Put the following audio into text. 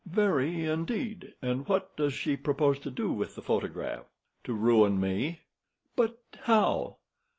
"Very, indeed. And what does she propose to do with the photograph?" "To ruin me." "But how?"